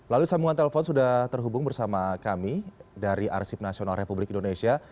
lalu sambungan telepon sudah terhubung bersama kami dari arsip nasional republik indonesia